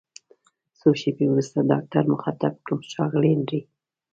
څو شیبې وروسته ډاکټر مخاطب کړم: ښاغلی هنري!